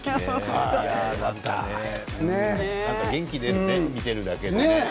元気出るね見ているだけで。